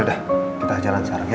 yaudah kita jalan sekarang ya